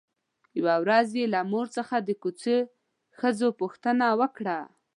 يوه ورځ يې له مور څخه د کوڅې ښځو پوښتنه وکړه.